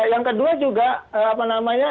yang kedua juga